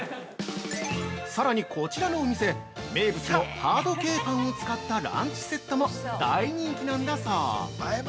◆さらに、こちらのお店名物のハード系パンを使ったランチセットも大人気なんだそう。